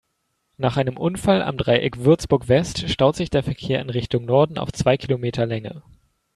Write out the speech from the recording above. Nach einem Unfall am Dreieck Würzburg-West staut sich der Verkehr in Richtung Norden auf zwei Kilometer Länge.